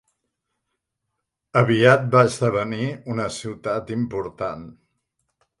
Aviat va esdevenir una ciutat important.